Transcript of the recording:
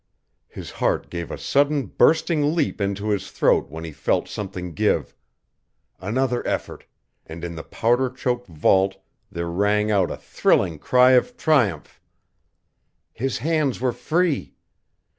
His heart gave a sudden bursting leap into his throat when he felt something give. Another effort and in the powder choked vault there rang out a thrilling cry of triumph. His hands were free!